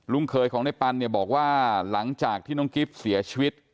เคยของในปันเนี่ยบอกว่าหลังจากที่น้องกิฟต์เสียชีวิต